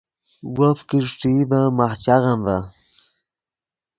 وف کہ اݰٹئی ڤے ماخ چاغم ڤے